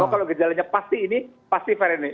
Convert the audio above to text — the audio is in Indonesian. kalau gejalanya pasti ini pasti varian ini